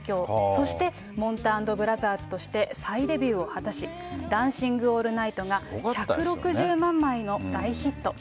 そして、もんた＆ブラザーズとして再デビューを果たし、ダンシング・オールナイトが１６０万枚の大ヒット。